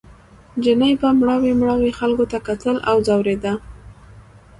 چیني به مړاوي مړاوي خلکو ته کتل او ځورېده.